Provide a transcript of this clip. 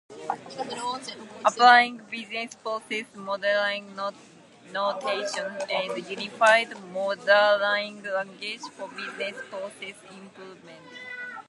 Applying Business Process Modeling Notation and Unified Modeling Language for Business Process Improvement.